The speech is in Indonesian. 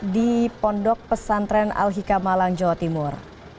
di pondok pesantren al hika malang jawa timur